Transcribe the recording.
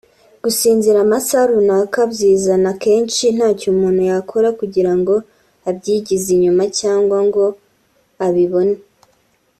gusinzira amasaha runaka byizana akenshi ntacyo umutu yakora kugira ngo abyigize inyuma cyangwa ngo abibone